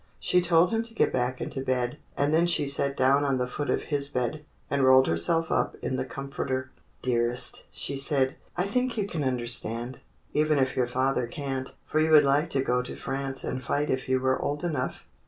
She told him to get back into bed, and then she sat down on the foot of his bed, and rolled herself up in the comforter. "Dearest," she said, "I think you can understand, even if your father can't, for you would like to go to France and fight if you were old enough.